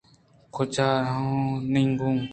کجانگو